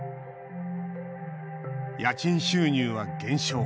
家賃収入は減少。